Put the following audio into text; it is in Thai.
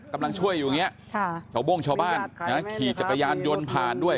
กำลังช่วยอยู่อย่างนี้ชาวโบ้งชาวบ้านขี่จักรยานยนต์ผ่านด้วย